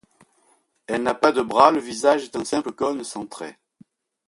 Elle n'a pas de bras, le visage est un simple cône sans traits.